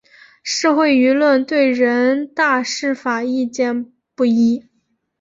社会舆论对人大释法意见不一。